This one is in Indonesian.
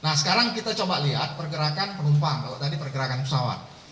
nah sekarang kita coba lihat pergerakan penumpang kalau tadi pergerakan pesawat